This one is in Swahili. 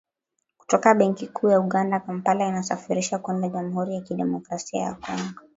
kutoka Benki Kuu ya Uganda, Kampala inasafirisha kwenda jamuhuri ya kidemokrasia ya Kongo